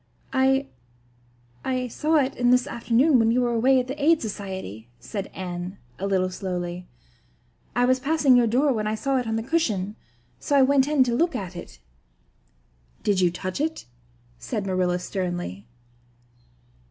"I I saw it this afternoon when you were away at the Aid Society," said Anne, a little slowly. "I was passing your door when I saw it on the cushion, so I went in to look at it." "Did you touch it?" said Marilla sternly.